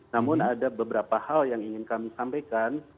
namun ada beberapa hal yang ingin kami sampaikan